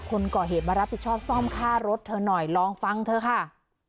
คนก่อเหตุมารับผิดชอบซ่อมค่ารถเธอหน่อยลองฟังเธอค่ะ